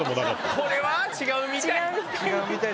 これは違うみたい。